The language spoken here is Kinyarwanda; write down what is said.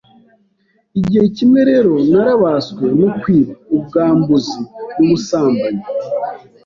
Igihe kimwe rero narabaswe no kwiba, ubwambuzi n’ubusambanyi